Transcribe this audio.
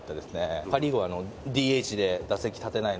パ・リーグはＤＨで打席立てないので。